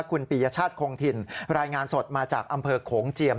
คุณปียชาติคงถิ่นรายงานสดมาจากอำเภอโขงเจียม